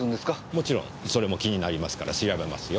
もちろんそれも気になりますから調べますよ。